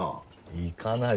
行かないよ。